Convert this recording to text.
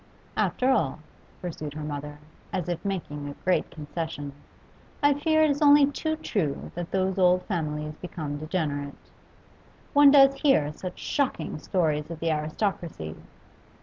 'After all,' pursued her mother, as if making a great concession, 'I fear it is only too true that those old families become degenerate. One does hear such shocking stories of the aristocracy.